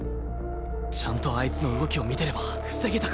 ちゃんとあいつの動きを見てれば防げたか？